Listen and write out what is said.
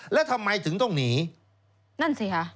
แล้วทำไมถึงต้องหนีนั่นสิค่ะ